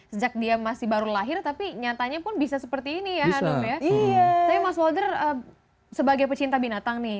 sejak dia masih baru lahir tapi nyatanya pun bisa seperti ini ya hanum ya tapi mas walder sebagai pecinta binatang nih